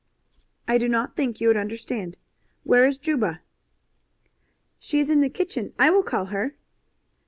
"I do not think you would understand. Where is Juba?" "She is in the kitchen. I will call her."